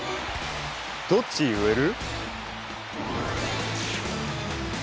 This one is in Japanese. どっち植える？